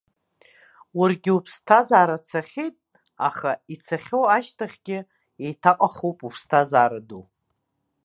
Уаргьы уԥсҭазаара цахьеит, аха ицахьоу ашьҭахьгьы еиҭаҟахуп уԥсҭазаара ду.